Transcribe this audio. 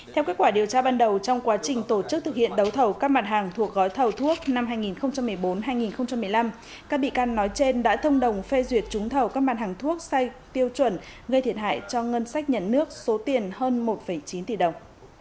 theo kết quả điều tra ban đầu trong quá trình tổ chức thực hiện đấu thầu các mặt hàng thuộc gói thầu thuốc năm hai nghìn một mươi bốn hai nghìn một mươi năm các bị can nói trên đã thông đồng phê duyệt trúng thầu các mặt hàng thuốc sai tiêu chuẩn gây thiệt hại cho ngân sách nhà nước số tiền hơn một chín tỷ đồng